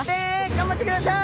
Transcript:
頑張ってください！